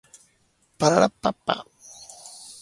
Aipatu txostena egun horretan bertan sinatu zuten.